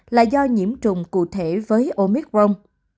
là do nhiễm trùng cụ thể với omicron